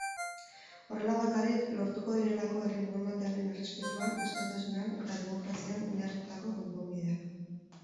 Horrela bakarrik lortuko direlako herri borondatearen errespetuan, askatasunean eta demokrazian oinarritutako konponbideak.